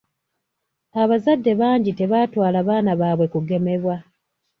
Abazadde bangi tebaatwala baana baabwe kugemebwa.